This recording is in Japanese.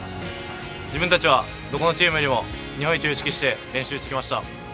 自分たちは、どこのチームより日本一を意識して練習してきました。